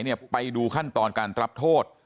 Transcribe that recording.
ไปดูขั้นตอนการรับโทษ